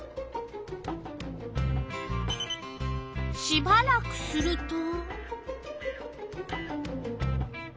しばらくすると？